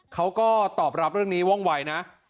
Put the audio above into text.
เขาก็ตอบรับเรื่องนี้ว่องวัยนะ